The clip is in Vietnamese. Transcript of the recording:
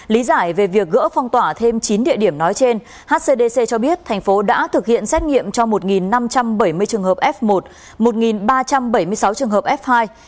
lý giải về việc gỡ phong tỏa thêm chín địa điểm nói trên hcdc cho biết thành phố đã thực hiện xét nghiệm cho một năm trăm bảy mươi trường hợp f một một ba trăm bảy mươi sáu trường hợp f hai